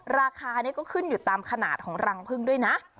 ราคานี้ก็ขึ้นอยู่ตามขนาดของรังพึ่งด้วยนะ